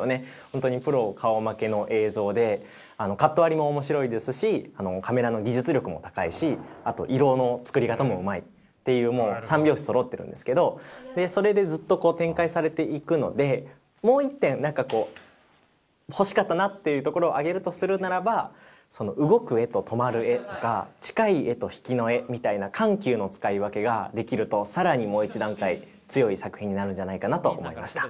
本当にプロ顔負けの映像でカット割りも面白いですしカメラの技術力も高いしあと色の作り方もうまいっていうもう三拍子そろってるんですけどそれでずっと展開されていくのでもう１点何かこう欲しかったなっていうところを挙げるとするならば動く画と止まる画とか近い画と引きの画みたいな緩急の使い分けができると更にもう１段階強い作品になるんじゃないかなと思いました。